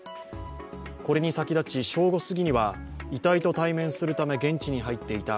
これに先立ち正午過ぎには遺体と対面するため現地に入っていた